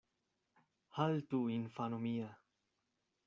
Haltu, infano mia.